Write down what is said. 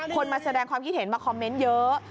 มาแสดงความคิดเห็นมาคอมเมนต์เยอะ